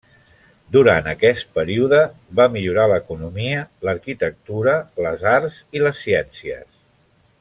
Durant aquest període va millorar l’economia, l’arquitectura, les arts i les ciències.